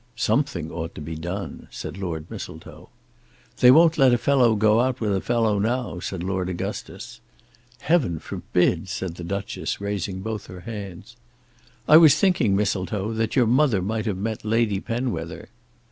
"Something ought to be done," said Lord Mistletoe. "They won't let a fellow go out with a fellow now," said Lord Augustus. "Heaven forbid!" said the Duchess, raising both her hands. "I was thinking, Mistletoe, that your mother might have met Lady Penwether."